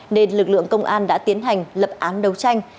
nên lực lượng công an đã tiến hành lập án đấu tranh